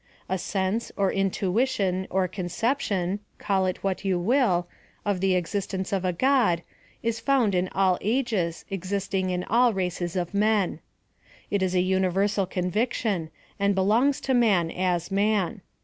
A sense, or intuition, or conception (call it what you will) of the existence of a God, is found in all ages, existing in all races of men. It is a universal conviction, and belongs to man as man.